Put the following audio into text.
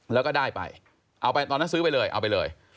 แล้วก็ได้ไปเอาไปตอนนั้นซื้อไปเลยเอาไปเลย